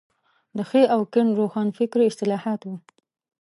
د ښي او کيڼ روښانفکري اصطلاحات وو.